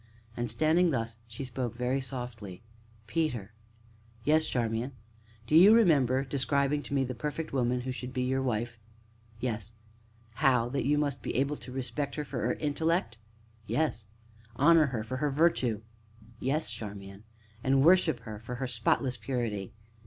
And standing thus, she spoke, very softly: "Peter." "Yes, Charmian?" "Do you remember describing to me the the perfect woman who should be your wife?" "Yes." "How that you must be able to respect her for her intellect?" "Yes." "Honor her for her virtue?" "Yes, Charmian." "And worship her for her spotless purity?"